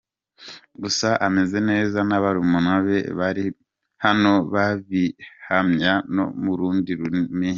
Gusa ameze neza na barumuna be bari hano babihamya no mu rundi rurimi.